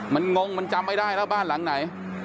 มันงงมันจำไม่ได้แล้วบ้านหลังไหน